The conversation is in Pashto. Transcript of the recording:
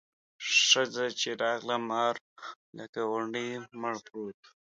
ښځه چې راغله مار لکه غونډی مړ پروت و.